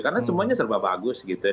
karena semuanya serba bagus gitu ya